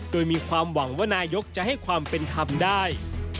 โดยมีความหวังว่านายกจะให้ความเป็นธรรมได้